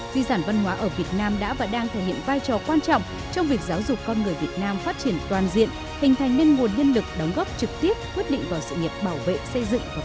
di sản văn hóa ở việt nam đã và đang thể hiện vai trò quan trọng trong việc giáo dục con người việt nam phát triển toàn diện hình thành nên nguồn nhân lực đóng góp trực tiếp quyết định vào sự nghiệp bảo vệ xây dựng và phát triển